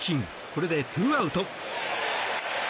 これで２アウト。